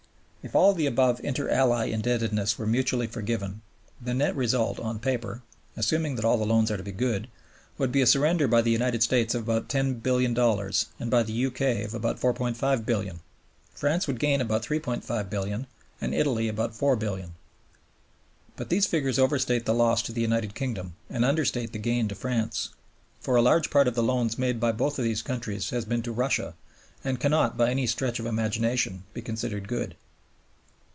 If all the above Inter Ally indebtedness were mutually forgiven, the net result on paper (i.e. assuming all the loans to be good) would be a surrender by the United States of about $10,000,000,000 and by the United Kingdom of about $4,500,000,000. France would gain about $3,500,000,000 and Italy about $4,000,000,000. But these figures overstate the loss to the United Kingdom and understate the gain to France; for a large part of the loans made by both these countries has been to Russia and cannot, by any stretch of imagination, be considered good.